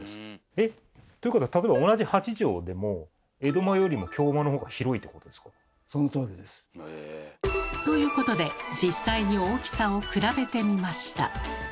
え？ということは例えば同じ８畳でも江戸間よりも京間のほうが広いってことですか？ということで実際に大きさを比べてみました。